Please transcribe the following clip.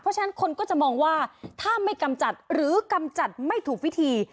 เพราะฉะนั้นคนก็จะมองว่าถ้าไม่กำจัดหรือกำจัดไม่ถูกวิธี